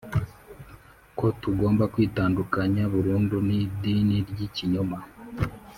ko tugomba kwitandukanya burundu n idini ry ikinyoma